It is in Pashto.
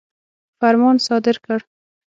فرمان صادر کړ.